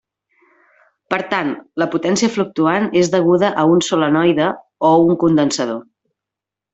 Per tant la potència fluctuant és deguda a un solenoide o un condensador.